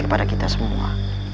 kepada kita semua